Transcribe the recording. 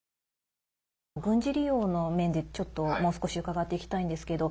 軍事利用の面で、もう少し伺ってきたいんですけど。